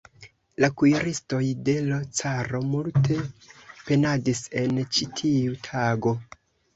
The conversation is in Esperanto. La kuiristoj de l' caro multe penadis en ĉi tiu tago.